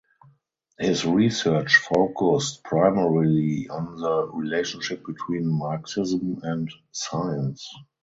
His research focused primarily on the relationship between Marxism and science.